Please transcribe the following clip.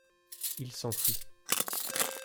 Il s'enfuit.